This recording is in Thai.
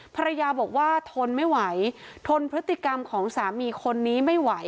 ภรรยาบอกว่าทนไม่ไหวทนพฤติกรรมของสามีคนนี้ไม่ไหว